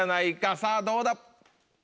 さぁどうだ？